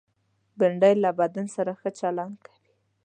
بېنډۍ له بدن سره ښه چلند کوي